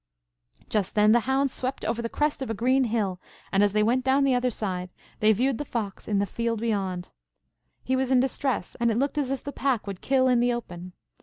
Just then the hounds swept over the crest of a green hill, and as they went down the other side they viewed the fox in the field beyond. He was in distress, and it looked as if the pack would kill in the open.